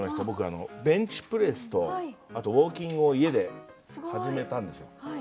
僕ベンチプレスとあとウォーキングを家で始めたんですよ。